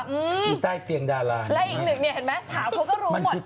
มันคือใต้เตียงดาราแล้วอีกหนึ่งเนี่ยเห็นมั้ยถามพวกเขาก็รู้หมด